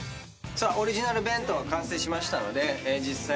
オリジナル弁当が完成しましたので実際。